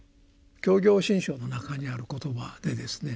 「教行信証」の中にある言葉でですね